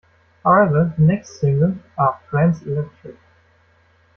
However, the next single, Are 'Friends' Electric?